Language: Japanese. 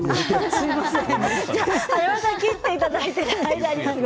すみません。